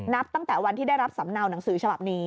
ตั้งแต่วันที่ได้รับสำเนาหนังสือฉบับนี้